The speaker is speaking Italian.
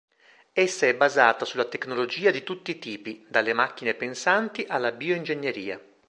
Essa è basata sulla tecnologia di tutti i tipi, dalle macchine pensanti alla bioingegneria.